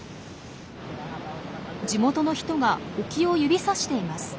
地元の人が沖を指さしています。